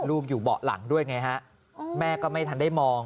อยู่เบาะหลังด้วยไงฮะแม่ก็ไม่ทันได้มอง